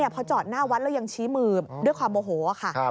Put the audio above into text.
พอจอดหน้าวัดแล้วยังชี้มือด้วยความโมโหค่ะ